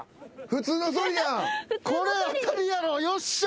これ当たりやろよっしゃ！